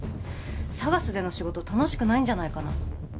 ＳＡＧＡＳでの仕事楽しくないんじゃないかな